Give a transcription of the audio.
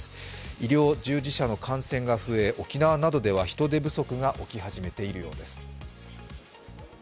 医療従事者の感染が増え、沖縄などでは人手不足が起き始めているようです。